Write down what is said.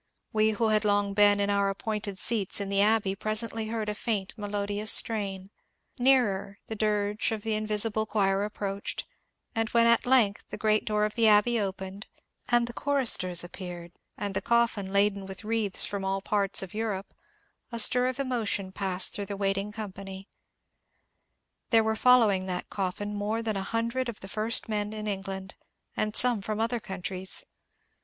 We who had long been in our appointed seats in the Abbey presently heard a &unt melodious strain ; nearer the dirge of the invisible choir approached ; and when at length the great door of the Abbey opened, and the choristers ap peared, and the coffin laden with wreaths from all parts of Europe, a stir of emotion passed through the waiting com pany. There were following that coffin more than a hundred of the first men in England and some from other countries.